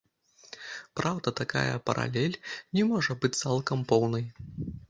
Праўда, такая паралель не можа быць цалкам поўнай.